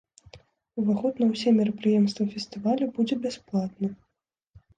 Уваход на ўсе мерапрыемствы фестывалю будзе бясплатны.